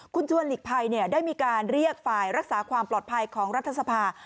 คุณชวนหลีกภัยได้มีการเรียกฝ่ายรักษาความปลอดภัยของรัฐสภา